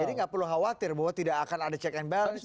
jadi enggak perlu khawatir bahwa tidak akan ada check and balance